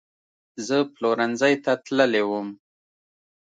زه پلورنځۍ ته تللې وم